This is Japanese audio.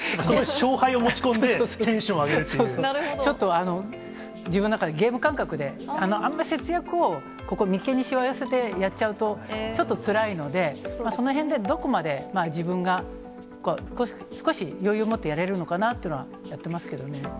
勝敗を持ち込んで、テンショちょっと自分の中で、ゲーム感覚で、あんま節約を、ここみけんにしわ寄せてやっちゃうと、ちょっとつらいので、そのへんでどこまで自分が少し余裕持ってやれるのかなというのはやってますけれどもね。